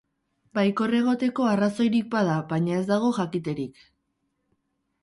Baikor egoteko arrazoirik bada, baina ez dago jakiterik.